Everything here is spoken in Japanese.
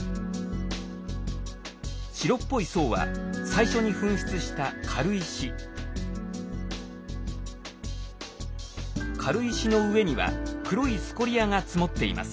白っぽい層は最初に噴出した軽石の上には黒いスコリアが積もっています。